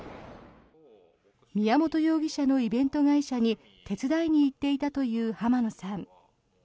宮本容疑者のイベント会社に手伝いに行っていたという浜野さん。